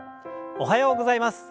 おはようございます。